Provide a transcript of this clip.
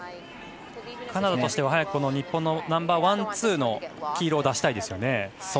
カナダとしては、早く日本のナンバーワン、ツーの黄色を出したいですね。